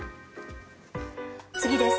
次です。